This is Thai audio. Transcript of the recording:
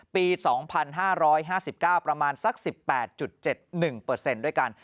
ปี๒๕๕๙ประมาณสัก๑๘๗๑เปอร์เซ็นต์ด้วยกัน